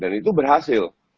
dan itu berhasil